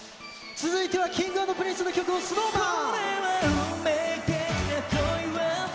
続いてはＫｉｎｇ＆Ｐｒｉｎｃｅの曲をＳｎｏｗＭａｎ！